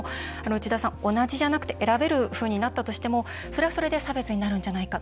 内田さん、同じじゃなくて選べるふうになったとしてもそれはそれで差別になるんじゃないか。